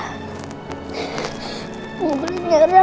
aku mau pulih ngerah